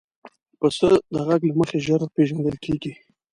پسه د غږ له مخې ژر پېژندل کېږي.